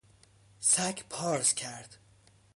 سگ پارس کرد.